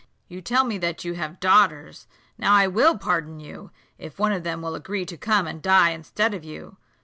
You tell me that you have daughters; now I will pardon you, if one of them will agree to come and die instead of you.